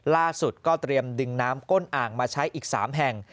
ล่าสุดก็เตรียมดึงน้ำก้นอ่างมาใช้อีก๓แห่ง